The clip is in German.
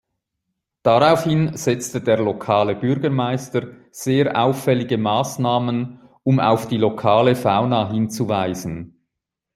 Daraufhin setzte der lokale Bürgermeister sehr auffällige Maßnahmen, um auf die lokale Fauna hinzuweisen.